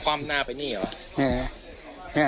คว่ำหน้าไปมีหรือวะ